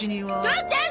父ちゃん